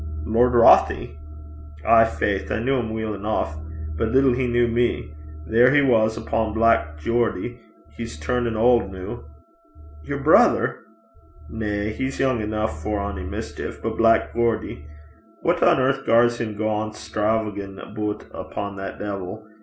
'Lord Rothie?' 'Ay, faith. I kent him weel eneuch, but little he kent me. There he was upo' Black Geordie. He's turnin' auld noo.' 'Yer brither?' 'Na. He's young eneuch for ony mischeef; but Black Geordie. What on earth gars him gang stravaguin' aboot upo' that deevil?